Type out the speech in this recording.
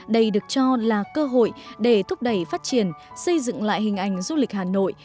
đây được cho là cơ hội để thúc đẩy phát triển xây dựng lại hình ảnh du lịch hà nội